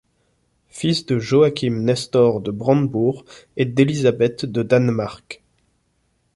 Fils de Joachim Nestor de Brandebourg et d'Élisabeth de Danemark.